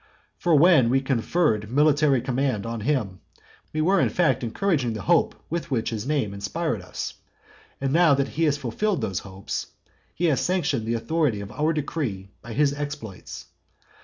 For when we conferred military command on him, we were in fact encouraging the hope with which his name inspired us; and now that he has fulfilled those hopes, he has sanctioned the authority of our decree by his exploits.